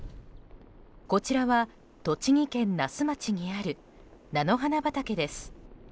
こちらは、栃木県那須町にある菜の花畑です。